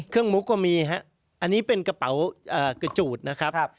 มุกก็มีฮะอันนี้เป็นกระเป๋ากระจูดนะครับ